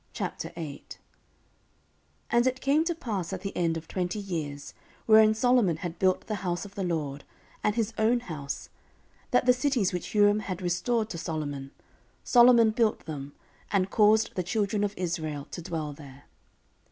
14:008:001 And it came to pass at the end of twenty years, wherein Solomon had built the house of the LORD, and his own house, 14:008:002 That the cities which Huram had restored to Solomon, Solomon built them, and caused the children of Israel to dwell there.